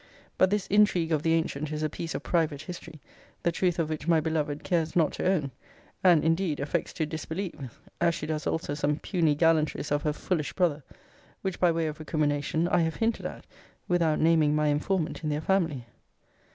But this intrigue of the antient is a piece of private history, the truth of which my beloved cares not to own, and indeed affects to disbelieve: as she does also some puisny gallantries of her foolish brother; which, by way of recrimination, I have hinted at, without naming my informant in their family.